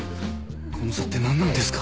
この差って何なんですか？